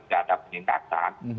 tidak ada penindasan